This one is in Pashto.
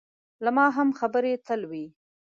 له ما هم خبرې تل وي.